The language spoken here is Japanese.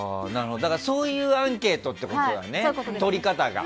そういうアンケートってことだね取り方が。